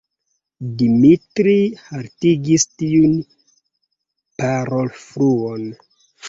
Dimitri haltigis tiun parolfluon.